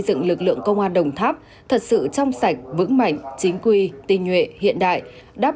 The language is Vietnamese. dựng lực lượng công an đồng tháp thật sự trong sạch vững mạnh chính quy tinh nhuệ hiện đại đáp